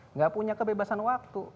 enggak punya kebebasan waktu